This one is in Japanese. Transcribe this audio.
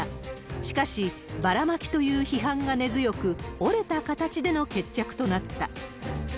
しかし、ばらまきという批判が根強く、折れた形での決着となった。